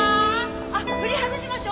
あっフリーハグしましょう。